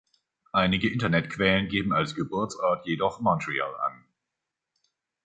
Einige Internetquellen geben als Geburtsort jedoch Montreal an.